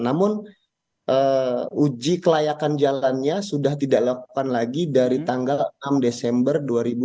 namun uji kelayakan jalannya sudah tidak dilakukan lagi dari tanggal enam desember dua ribu dua puluh